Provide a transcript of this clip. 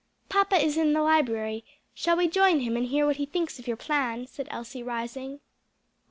"Papa is in the library; shall we join him and hear what he thinks of your plan?" said Elsie, rising.